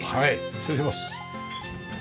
失礼します。